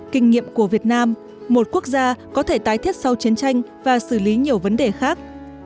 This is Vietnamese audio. kinh nghiệm của việt nam một quốc gia có thể tái thiết sau chiến tranh và xử lý nhiều vấn đề khác